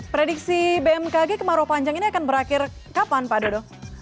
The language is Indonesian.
prediksi bmkg kemarau panjang ini akan berakhir kapan pak dodo